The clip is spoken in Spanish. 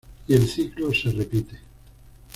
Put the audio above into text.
Y el ciclo se repite.